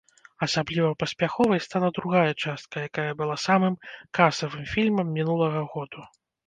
Асабліва паспяховай стала другая частка, якая была самым касавым фільмам мінулага году.